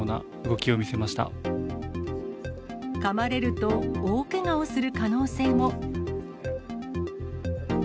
今、かまれると、大けがをする可能性も。